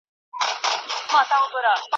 افغان هلکان په مهمو سیاسي چارو کي برخه نه اخلي.